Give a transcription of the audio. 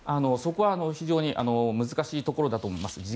そこは非常に難しいところだと思います。